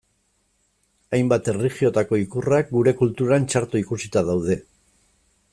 Hainbat erlijiotako ikurrak gure kulturan txarto ikusita daude.